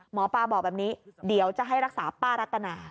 หมอปลาบอกแบบนี้เดี๋ยวจะให้รักษาป้ารัตนา